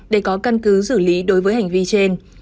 để có căn cứ xử lý đối với hành vi trên